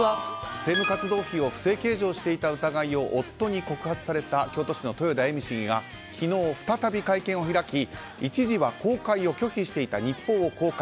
政務活動費を不正計上していた疑いを夫に告発された京都市の豊田恵美市議が昨日、再び会見を開き一時は公開を拒否していた日報を公開。